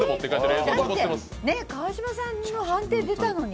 川島さんの判定が出たのに？！